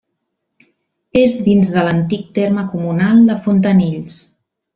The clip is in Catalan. És dins de l'antic terme comunal de Fontanills.